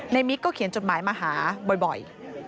มิกก็เขียนจดหมายมาหาบ่อย